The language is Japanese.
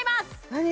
何？